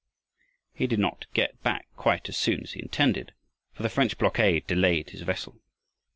He did not get back quite as soon as he intended, for the French blockade delayed his vessel.